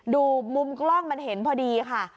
ดูมุมกล้องมันเห็นพอดีค่ะ